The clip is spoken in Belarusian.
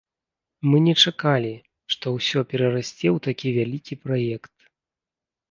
Мы не чакалі, што ўсё перарасце ў такі вялікі праект.